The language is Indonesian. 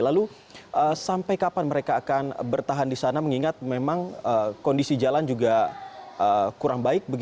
lalu sampai kapan mereka akan bertahan di sana mengingat memang kondisi jalan juga kurang baik